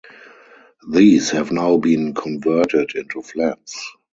These have now been converted into flats.